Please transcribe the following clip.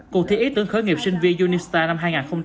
cuộc thi ý tưởng khởi nghiệp sinh viên unistars năm hai nghìn hai mươi ba